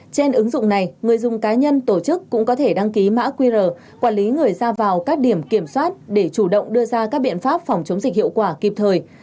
trên ứng dụng này người dùng cá nhân tổ chức cũng có thể đăng ký mã qr quản lý người ra vào các điểm kiểm soát để chủ động đưa ra các biện pháp phòng chống dịch hiệu quả kịp thời